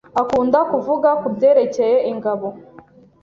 Akunda kuvuga kubyerekeye ingabo.